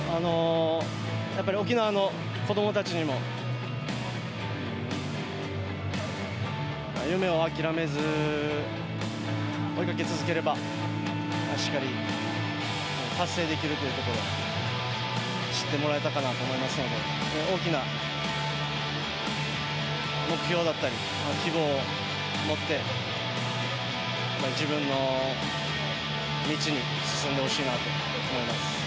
沖縄の子供たちにも夢を諦めず追いかけ続ければしっかり達成できるということを知ってもらえたかなと思いますので大きな目標だったり希望を持って自分の道に進んでほしいなと思います。